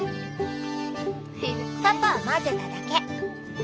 パパは混ぜただけ。